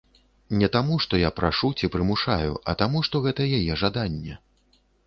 Не таму, што я прашу ці прымушаю, а таму, што гэта яе жаданне.